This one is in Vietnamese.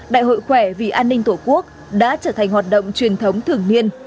đại hội khỏe vì an ninh tổ quốc đã trở thành hoạt động truyền thống thường niên